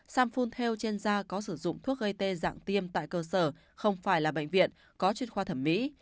samphone theo trên da có sử dụng thuốc gây tê dạng tiêm tại cơ sở không phải là bệnh viện có chuyên khoa thẩm mỹ